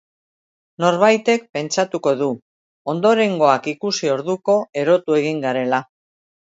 Norbaitek pentsatuko du, ondorengoak ikusi orduko, erotu egin garela.